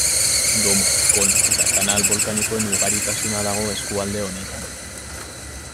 Domo, kono eta kanal bolkanikoen ugaritasuna dago eskualde honetan.